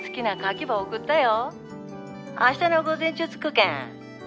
明日の午前中着くけん。